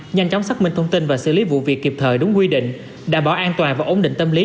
nhanh chóng xác minh thông tin và xử lý vụ việc kịp thời đúng quy định đảm bảo an toàn và ổn định tâm lý